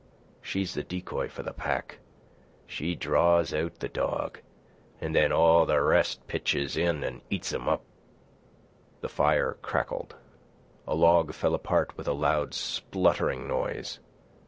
She's the decoy for the pack. She draws out the dog an' then all the rest pitches in an' eats 'm up." The fire crackled. A log fell apart with a loud spluttering noise.